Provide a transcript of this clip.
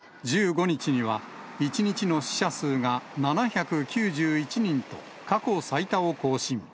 保健当局によりますと、１５日には、１日の死者数が７９１人と、過去最多を更新。